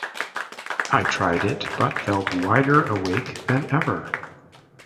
I tried it, but felt wider awake than ever.